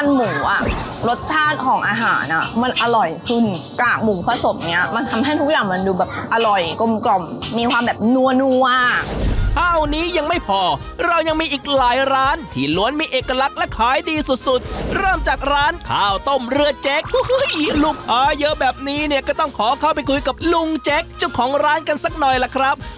หุ้ยลูกค้าเยอะแบบนี้เนี่ยก็ต้องขอเข้าไปคุยกับลุงเจ๊กเจ้าของร้านกันสักหน่อยล่ะครับ